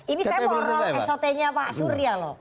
ini saya moral esotenya pak surya loh